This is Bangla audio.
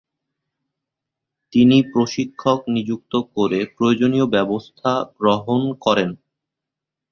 তিনি প্রশিক্ষক নিযুক্ত করে প্রয়ােজনীয় ব্যবস্থা গ্রহণ করেন।